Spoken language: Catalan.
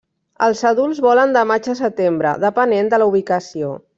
Els adults volen de maig a setembre, depenent de la ubicació.